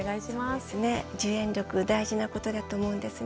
そうですね受援力大事なことだと思うんですね。